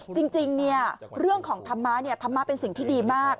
จริงเนี่ยเรื่องของธรรมะเนี่ยธรรมะเป็นสิ่งที่ดีมาก